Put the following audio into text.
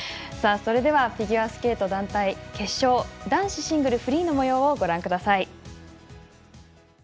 それではフィギュアスケート団体決勝男子シングルフリーのもようをご覧ください。